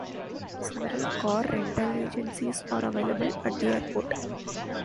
Several car rental agencies are available at the airport.